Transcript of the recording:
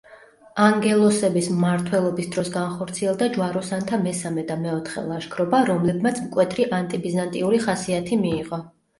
ანგელოსების მმართველობის დროს განხორციელდა ჯვაროსანთა მესამე და მეოთხე ლაშქრობა, რომლებმაც მკვეთრი ანტიბიზანტიური ხასიათი მიიღო.